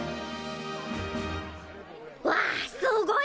わあすごいね！